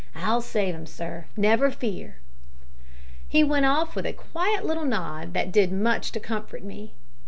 I'll save 'im sir, never fear." He went off with a quiet little nod that did much to comfort me.